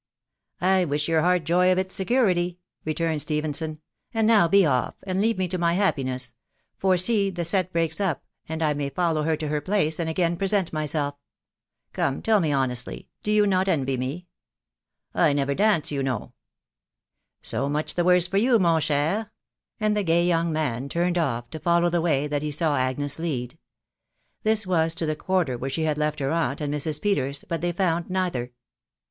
" I wish your heart joy of its security/' returned Stephen son. " And now be off, and leave me to my happiness ; for see, the set breaks up, and I may follow her to her place, and again present myself. ..• Come, tell me honestly, do you not nvy me?" " I never dance, you know." " So much the worse for you, mon cher" and the gay young man turned off, to follow the way that he saw Agnes lead. This was to the quarter where she had left her aunt and Mrs. Peters, but they found neither.